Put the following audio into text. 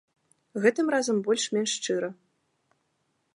Гэтым разам больш-менш шчыра.